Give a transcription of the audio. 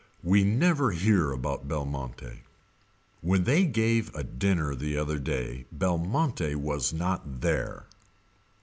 We never hear about Belmonte. When they gave a dinner the other day Belmonte was not there.